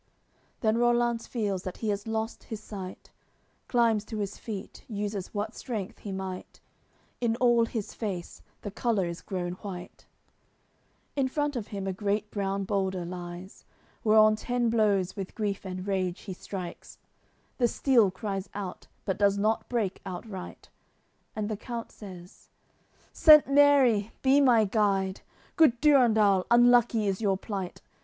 CLXXI Then Rollanz feels that he has lost his sight, Climbs to his feet, uses what strength he might; In all his face the colour is grown white. In front of him a great brown boulder lies; Whereon ten blows with grief and rage he strikes; The steel cries out, but does not break outright; And the count says: "Saint Mary, be my guide Good Durendal, unlucky is your plight!